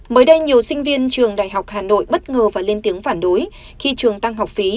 mới đây nhiều sinh viên trường đại học hà nội bất ngờ và lên tiếng phản đối khi trường tăng học phí